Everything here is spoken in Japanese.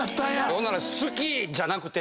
ほんなら「好き」じゃなくて。